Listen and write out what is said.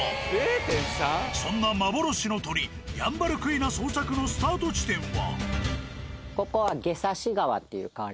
そんな幻の鳥ヤンバルクイナ捜索のスタート地点は。